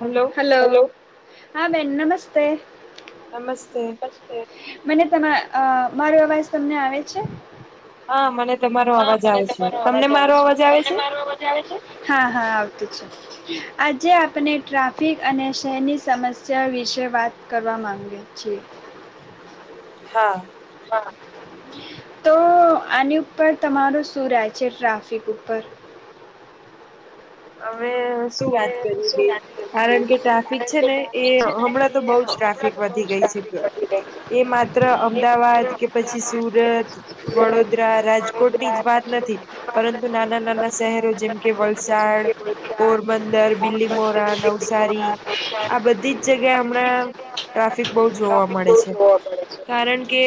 Hello hello હા બેેન નમસ્તે નમસ્તે મને તમા મારો અવાજ તમને આવે છે. હા મને તમારો હા મને તમારો અવાજ આવે છે તમને મા અવાજ આવે છે હા હા આવત આજે આપણે ટ્રાફિક અને શહેરની સમસ્યા વિશે વાત કરવા માગી જી હા તો આની ઉપર તમારું શું રહે છે ટ્રાફિક ઉપર અમે શું વાત કરી બે કારણ કે ટ્રાફિક છે ને એ હમણાં તો બહ જ ટ્રાફિક વધી ગઈ છે. એ માત્ર અમદાવાદ કે પછી સુરત વડોદરા રાજકો રાજકોટની જ વાત નથી પરંતુ નાના નાના શહેરો જેમ કે વલસાડ વલસાડ મંદર બીલી મોરા નવસારી આ બધી જ જગ્યા હમણાં ટ્રાફિક બહ જોવા મળે છે કારણ કે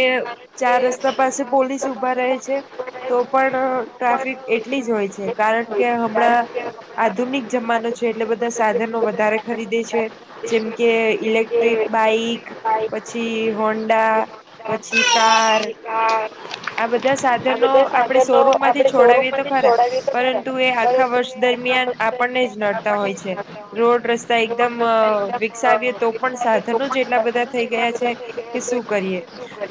ચાર રસ્તે પાસે પોલીસ ઉભા રહે છે. તો પણ ટ્રાફિક એટલી જ હોય છે કારણ કે હમણાં આધુનિક જમાનો છે એટલે બધા સાધનો વધારે ખરીદે છે. જેમ કે ઇલેક્ટ્રિક બાઈક પછી હોન્ડા પછી કાર આ બધા સાધનો આપણે શોરૂમમાંથી છોડાવીએ તો ખરા પરંતુ એ આખા વર્ષ દરમિયાન આપણને જ નડતા હોય છે. રોડ રસ્તા એકદમ વિકસાવીએ તો પણ સાધનો જ એટલા બધા થઈ ગયા છે. કે શું કરીએ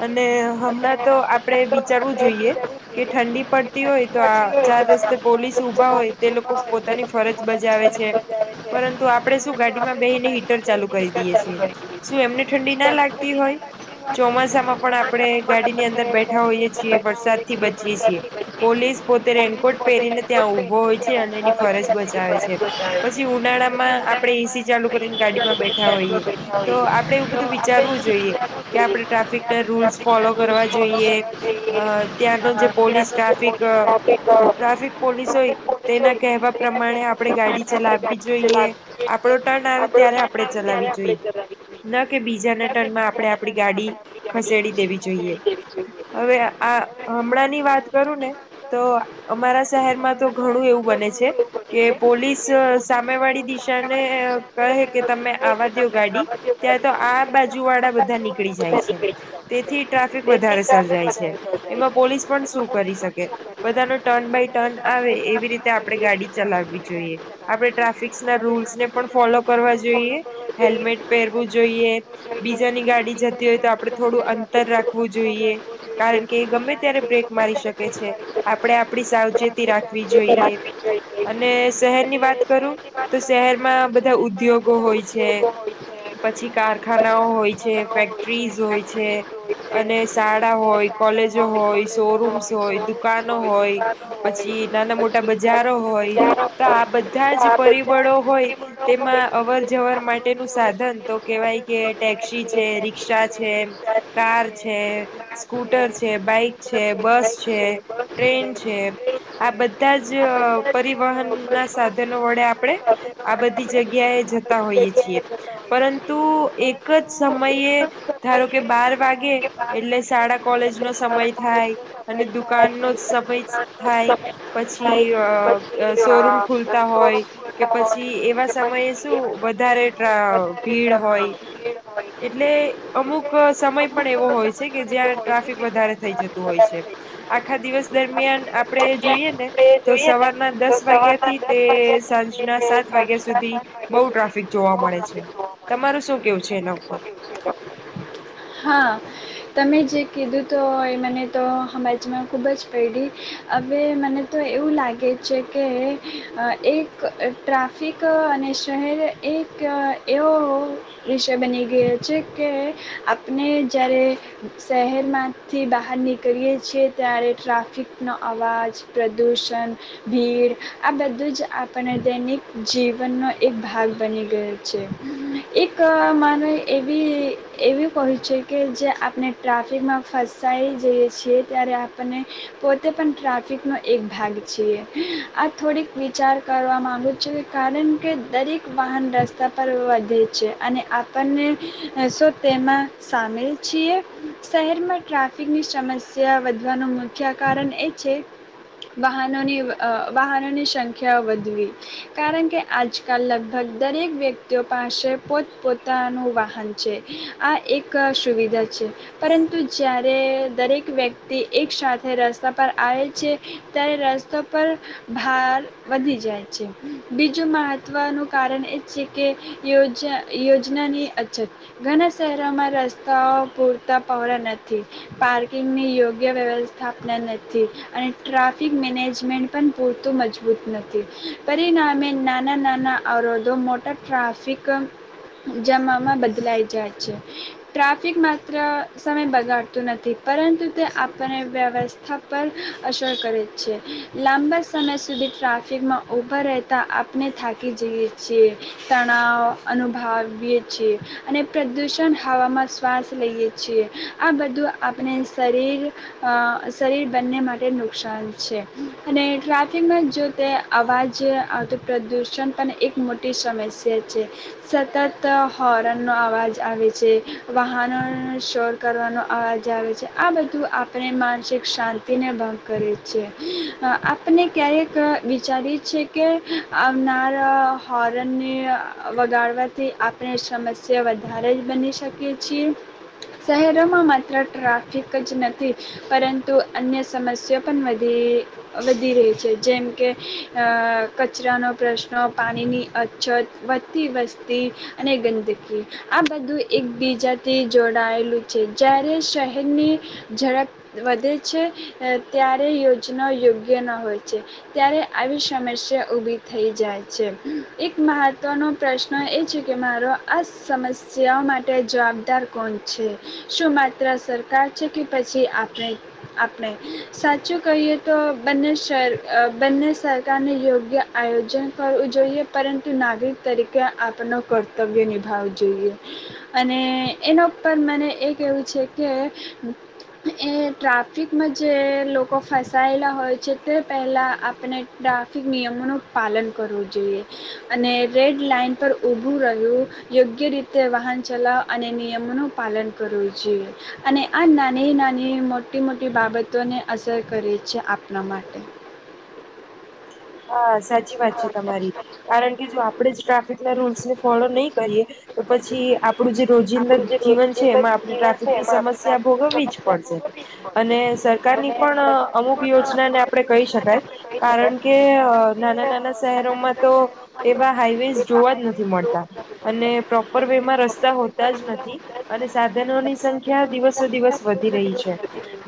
અને હમણાં તો આપણેે વિચારવું જોઈએ કે ઠંડી પડતી હોય તો આ ચાર રસ્તે પોલીસ ઉઊભા હોય તે લોકો પોતાની ફરજ બજાવે છે. પરંતુ આપણે શું ગાડીમાં બેસીને હીટર ચાલુ કરી દઈએ છીએ. શું એમને ઠંડી ના લાગતી હોય, ચોમાસા માં પણ આપણે ગાડી ની અંદર બેઠ હોઈએ છીએ વરસાદ થી બચીએ છીએ, પોલીસ પોતે રેનકોટ પહેરીને ત્યાં ઉભો હોય છે અને એની ફરજ બચાવે છે, પછી ઉનાળા માં આપણે એસી ચાલુ કરીને ગાડીમાં બેઠા હોઈએ. તો આપડે એવું બધું વિચારવું જોઈએ કે આપડે ટ્રાફિક ના રૂલ્સ ફોલો કરવા જોઈએ. અ ત્યાંનો જે પોલીસ ટ્રાફિક ટ્રાફિક પોલીસ હોય તેના કહેવા પ્રમાણે આપડણે ગાડી ચલાવી જોઈએ આપડો ટર્ન આવે ત્યારે આપણે ચલાવી જોઈએ. ના કે બીજાને ટર્નમાં આપડણે આપડી ગાડી ખસેડી દેવી જોઈએ. હવે આ હમણાં ની વાત કરું ને તો અમારા શહેરમાં તો ઘણું એવું બને છે. કે પોલીસ સામે વાળી દિશાને કહે કે તમે આવવા દો ગાડી. ત્યાં તો આ બાજુ વાળા બધા નીકળી જાય છે, તેથી ટ્રાફિક વધારે સર્જાય છે, એમાં પોલીસ પણ શું કરી શકે બધા ન ટર્ન બાય ટર્ન આવે એવી રીતે આપણે ગાડી ચલાવવી જોઈએ. આપણે ટ્રાફિક્સ ના રૂલ્સને પણ ફોલો કરવા જોઈએ, હેલ્મેટ પહેરવું જોઈએ. બીજાની ગાડી જતી હોય તો આપડે થોડું અંતર રાખવું જોઈએ. કારણ કે એ ગમે ત્યારે બ્રેક મારી શકે છે. આપડણે આપડી સાવચેતી રાખવી જોઈએ. અને શહેરની વાત કરું, તો શહેરમાં બધા ઉદ્યોગો હોય છે‌. પછી કારખાનાઓ હોય છે ફેક્ટરીઝ હોય છે, અને શા હોય કોલેજો હોય શોરૂમસ હોય દુકાનો હોય. પછી નાના મોટા બજારો હોય તો આ બધા જ પરિબળો હોય. તેમાં અવર જવર માટેનું સાધન તો કહેવાય કે ટેક્સી છે રિક્ષા છે. કાર છે. સ્કૂટર છે બાઈક છે બસ છે ટ્રેન છે. આ બધા જ પરિવહન ના સાધનો વડે આપણે આ બધી જગ્યાએ જતા હોઈએ છીએ. પરંતુ એક જ સમયે, ધારો કે બાર વાગે એટલે શાળા કોલેજ નો સમય થાય અને દુકાન નો સમય થાય. પછી શોરૂમ ખુલતા હોય. કે પછી એવા સમયે શું વધારે ભીડ હોય. એટલે અમુક સમય પણ એવો હોય છે. કે જ્યાં ટ્રાફિક વધારે થઈ જતું હોય છે, આખા દિવસ દરમિયાન આપડે જોઈએ ને. તો સવારના દસ વાગ્યા થી તે સાંજના સાત વાગ્યા સુધી, બઉુ ટ્રાફિક જોવા મળે છે, તમારું શું કેવું છે એના ઉપર. હા તમે જે કીધું તો એ મને તો હમારા જમાં ખૂબ જ પૈડી. હવે મને તો એવું લાગે છે કે, એક ટ્રાફ ફિક અને શહેર એક એવો વિષય બની ગયો છે કે, આપણે જ્યારે શહેરમાંથી બહાર નીકળીએ છીએ ત્યારે ટ્રાફિકનો અવાજ. પ્રદૂષણ. ભીડ, આ બધું જ આપણને દૈનિક જીવનનો એક ભાગ બની ગયો છે. એક માનું એવી એવી કહ્યું છે કે જે આપણે ટ્રાફિકમાં ફસાઈ જઈએ છીએ ત્યારે આપણને. પોતે પણ ટ્રાફિક નો એક ભાગ છીએ, આ થોડીક વિચાર કરવા માગુ છે કારણ કે દરેક વાહન રસ્તા પર વધે છે, અને આપ અને, શું તેમાં સામેલ છીએ શહેરમાં ટ્રાફિકની સમસ્યા વધવાનું મુખ્ય કારણ એ છે વાહનોની વાહનોની સંખ્યા વધવી કારણ કે આજકાલ લગભગ દરેક વ્યક્તિઓ પાસે પોત-પોતાનું વાહન છે, આ એક સુવિધા છે. પરંતુ જ્યારે દરેક વ્યક્તિ એક સાથે રસ્તા પર આવે છે. ત્યારે રસ્તો પર ભાર. વધી જાય છે, બીજું મહત્વનું કારણ એ છે કે, યોજ યોજનાની અછત ઘણા શહેરોમાં રસ્તાઓ પૂરતા પાવર નથી. પાર્કિંગની યોગ્ય વ્યવસ્થા નથી. અને ટ્રાફિક મેનેજમેન્ટ પણ પૂરતું મજબૂત નથી, પરિણામે નાના-નાના અરે તો મોટા ટ્રાફિક જામમાં બદલાઈ જાય છે. ટ્રાફિક માત્ર સમય બગાડતું નથી, પરંતુ તે આપણને વ્યવસ્થા પર અસર કરે છે, લાંબા સમય સુધી ટ્રાફિકમાં ઉભા રહેતા. તા આપણે થાકી જઈએ છીએ, તણાવ અનુભવીએ છીએ અને પ્રદૂષણ હવામાં શ્વાસ લઈએ છીએ, આ બધું આપણે શરીર શરીર બંને માટે નુકસાન છે, અને ટ્રાફિકમાં જો તે અવાજ આવે તો, પ્રદૂષણ પણ એક મોટી સમસ્યા છે. સતત હોરન નો અવાજ. આવે, વાહનો શોર કરવાનો અવાજ આવે છે, આ બધું આપણે માનસિક શાંતિને ભંગ કરે છે, આપણે ક્યારેક વિચારીએ છી કે આવનારા હોર્નને વગાડવાથી આપણે સમસ્યા વધે. વધારે જ બની શકી છીએ, શહેરોમાં માત્ર ટ્રાફિક જ નથી. પરંતુ અન્ય સમમસઓ પણ વધી. વધી રહી છે, જેમ કે કચરાનો પ્રશ્નો પાણીની છ વધતી વસ્તી અને ગંદકી. આ બધું એકબીજાથી જોડાયેલું છે, જારે શહેરની ઝડપ વધે છે, ત્યારે યોજના યોગ્ય ના હોય છે. ત્યારે આવી સમસ્યા ઉભી થઈ જાય છે, એક મહત્વનો પ્રશ્ન એ છે કે, મારો આ સમસ્યાઓ માટે જવાબદાર કોણ છે. શું માત્ર સરકાર છે કે, પછી આપણે આપણે સાચું કહીએ તો, બંને બંને સરકારને યોગ્ય આયોજન કરવું જોઈએ, પરંતુ નાગરિક તરીકે આપનું કર્તવ્ય નિભાવું જોઈએ. અને એના ઉપ મને એ એવું છે કે. એ ટ્રાફિકમાં જે લોકો ફસાયેલા હોય છે, તે પહેલાં આપણે નિયમોનું પાલન કરવું જોઈએ. અને રેડ લાઈન પર ઉભું રહ્યું યોગ. યોગ્ય રીતે વાહન ચલાવવું, અને નિયમોનું પાલન કરવું જોઈએ, અને આ નાની નાની મો મોટી મોટી બાબતોને અસર કરે છે, આપણા માટે હા, સાચી વાત છે, તમારી કારણ કે જો આપણેે જ ટ્રાફિક ના રૂલ્સને ફોલો નહી કરીએ. તો પછી આપડું જે રોજિંદા જીવન છે, એમાં આપણે ટ્રાફિકની સમસ્યા ભોગવવી જ પડશે. અને સરકારની પણ અમુક યોજનાને આપણે કહી શકાય, કારણ કે. નાના નાના શહેરોમાં તો એવા હાઈવેઝ જોવા જ નથી મળતા. અને પ્રોપર વે માં રસ્તા હોતા જ નથી. અને સાધનોની સંખ્યા દિવસો દિવસ વધી રહી છે.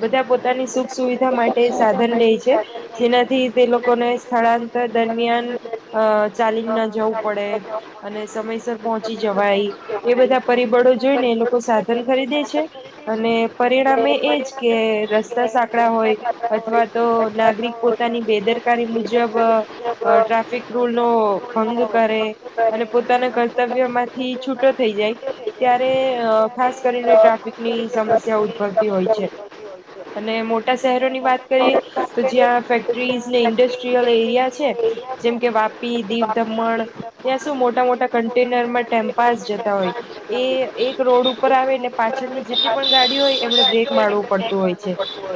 બધા પોતાની સુખ સુવિધા માટે સાધન લે છે, જેનાથી તે લોકોને સ્થળાંતર દરમિયાન અ ચાલીને ના જવું પડે, અને સમયસર. પહોંચી જવાય એ, બધા પરિબળો જોઈને એ લોકો સાધન ખરીદે છે. અને પરિણામે એજ કે રસ્તા સા હોય, અથવા તો નાગરિક પોતાની બેદરકારી મુજબ. અ ટ્રાફિક રૂલ નો ભંગ કરે, અને પોતાના કર્તવ્ય માંથી છૂટો થઈ જાય. ત્યારે ખાસ કરીને, ટ્રાફિકની સમસ્યાઓ. તી હોય છે, અને મોટા શહેરોની વાત કરીએ તો, જ્યાં ફેક્ટરીઝ. એટલે ઇન્ડસ્ટ્રીયલ એરિયા છે. જેમ કે વાપી, દીવ દમણ ત્યાં શું મોટા મોટા કન્ટેનરમાં ટેમ્પાસ જતા હોય. એ એક રોડ ઉપર આવે એટલે પાછળની જેટલી પણ ગાડી હોય એમને બ્રેક મારવું પડતું હોય છે.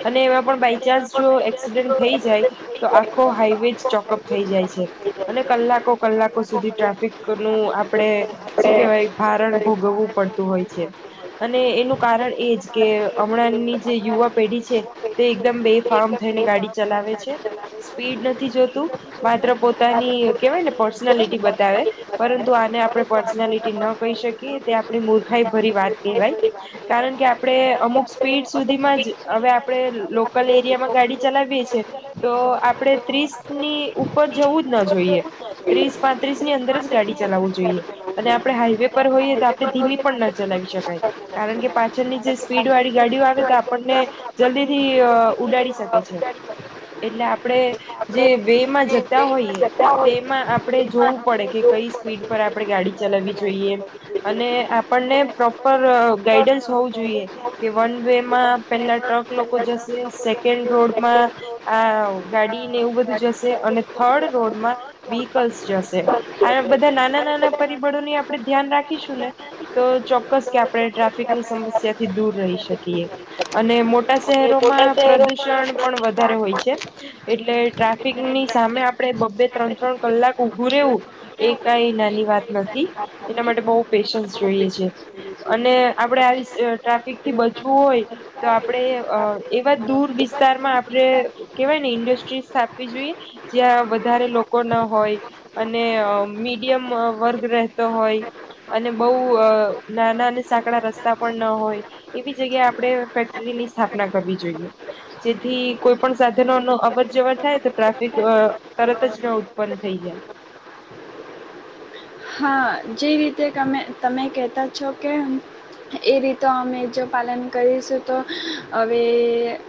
અને એમાં પણ બાયચાન્સ જો એક્સિડન્ટ થઈ જાય તો આખો હાઈ વે જ ચોકઅપ થઈ જાય છે. અને કલાકો કલાકો સુધી ટ્રાફિકનું આપડે શું કેવાય ભારણ ભોગવવું પડતું હોય છે. અને એનું કારણ એજ કે હમણાંની જે યુવા પેઢી છે. તે એકદમ બેફામ થઈને ગાડી ચલાવે છે. સ્પીડ નથી જોતું. માત્ર પોતાની કેહેવાય ને પર્સનાલિટી બતાવે. પરંતુ આને આપ આપણે પર્સનાલિટી ન કહી શકીએ તે આપણી મૂર્ખાઈ ભરી વાત કહેવાય. કારણ કે આપડે અમુક સ્પીડ સુધીમાં જ હવે આપણે લોકલ એરિયામાં ગાડી ચલાવીએ છીએ તો આપણેે ત્રીસની ઉપર જવું જ ન જોઈએ. ત્રીસ પાંત્રીસની અંદર જ ગાડી ચલાવવું જોઈએ. અને આપણે હાઈવે પર હોઈએ તો આપણે ધીમી પણ ના ચલાવી શકાય. કારણ કે પાછળની જે સ્પીડ વાળી ગાડીઓ આવે તો આપણને જલ્દીથી ઉડાડી શકે છે. એટલે આપડે જે વે માં જતા હોઈએ તેમાં આપણે જોવું પડે કે કઈ સ્પીડ પર આપણે ગાડી ચલાવી જોઈએ. અને આપણને પ્રોપર ગાઈડન્સ હોવું જોઈએ. કે વન વે માં પેલા ટ્રક લોકો જશે, સેકન્ડ રોડમાં આ ગાડીને એવું બધું જશે, અને થર્ડ રોડમાં વ્હીકલ્સ જશે. આવા બધા નાના નાના પરિબળોની આપણે ધ્યાન રાખીશું ને તો ચોક્કસ કે આપણે ટ્રાફિકની સમસ્યાથી દૂર રહી શકીએ. અને મોટ ટા શહેરોમાં પ્રદુષણ પણ વધારે હોય. એટલે ટ્રાફિકની સામે આપડે બબ્બે, ત્રણ ત્રણ કલાક ઉભું રહેવું. એ કાઈ નાની વાત નથી. એના માટે બહુ પેશન્સ જોઈએ છે. અને આપડે આવી ટ્રાફિકથી બચવું હોય. તો આપડે એવા દૂર વિસ્તારમાં આપણે કેવાય ને ઇન્ડસ્ટ્રી સ્થાપવી જોઈએ. જ્યાં વધારે લોકો ન હોય. અને મીડિયમ વર્ગ રહેતો હોય. અને બહુ નાના અને સાકડા રસ્તા પણ ન હોય. એવી જગ્યા આપણે ફેક્ટરીની સ્થાપના કરવી જોઈએ. જેથી કોઈ પણ સાધનો નો અવર જવર થાય તો ટ્રાફિક તરત જ ઉત્પન્ન થઈ જાય. આમ જે રીતે તમે તમે કહેતા છો કે એ રીતો અમે જો પાલન કરીશું તો હવે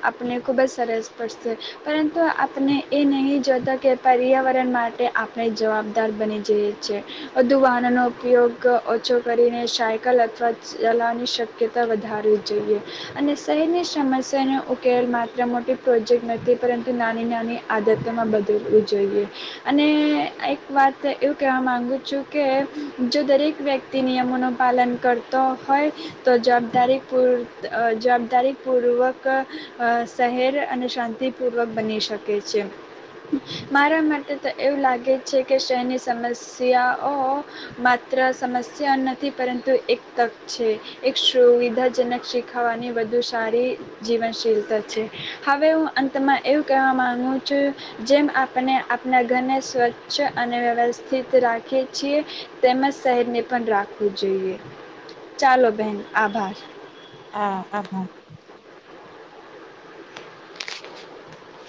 આપણે ખૂબ જ સરસ પડશે. પરંતુ આપને એ નહીં જોતા કે પર્યાવરણ માટે આપ આપણે જવાબદાર બની જઈએ છીએ. વધુ વાહ નો નો ઉપયોગ ઓછો કરીને સાયકલ અથવા ચલાવવાની શક્યતા વધારી જોઈએ અને શહેરની સમસ્યાનો ઉકેલ માત્ર મોટી પ્રોજેક્ટ નથી પરંતુ નાની નાની આદતોમાં બદલવું જોઈએ. અને એક વાત એવું કહેવા માગુ છું કે જો દરેક વ્યક્તિ નિયમોનું પાલન કરતો હોય તો જવાબદારી પૂર જવાબદારીપૂર્વક શહેર અને શાંતિપૂર્વક બની શકે છે. મારા માટે તો એવું લાગે છે કે શહેરની સમસ્યાઓ માત્ર સમસ્યા નથી પરંતુ એક તક છે. એક સુવિધાજનક શીખાવાની વધુ સારી જીવનશીલતા છે. હવે હું અંતમાં એવું કહેવા માંગુ છું. જેમ આપણે આપના ઘરને સ્વચ્છ અને વ્યવસ્થિત રાખીએ છીએ. તેમજ શહેરને પણ રાખવું જોઈએ. ચાલો બેન આભાર. હા આભાર.